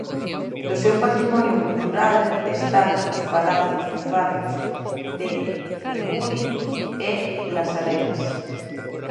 Do seu patrimonio cultural destacan os palacios dos barrios de Neguri e Las Arenas.